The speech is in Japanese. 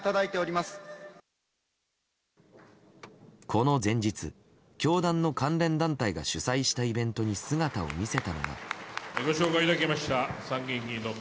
この前日教団の関連団体が主催したイベントに姿を見せたのが。